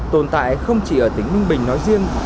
tồn tại không chỉ ở tỉnh ninh bình nói riêng